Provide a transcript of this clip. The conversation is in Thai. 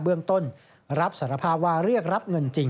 เบื้องต้นรับสารภาพว่าเรียกรับเงินจริง